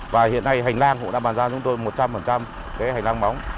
và hiện nay hành lang cũng đã bàn giao cho chúng tôi một trăm linh cái hành lang móng